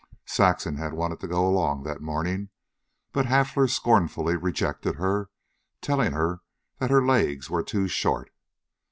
Saxon had wanted to go along that morning, but Hafler scornfully rejected her, telling her that her legs were too short.